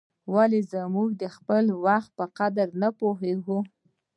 ولي موږ د خپل وخت په قدر نه پوهیږو؟